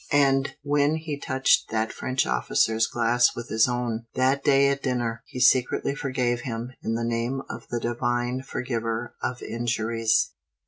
And when he touched that French officer's glass with his own, that day at dinner, he secretly forgave him in the name of the Divine Forgiver of Injuries.